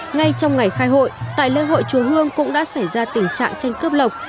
ngay trong ngày khai hội tại lễ hội chùa hương cũng đã xảy ra tình trạng tranh cướp lọc